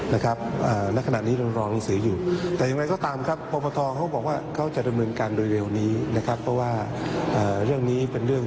นะครับณขณะนี้เรารอหนังสืออยู่